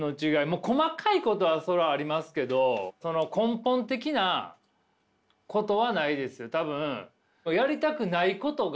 もう細かいことはそれはありますけど根本的なことはないです。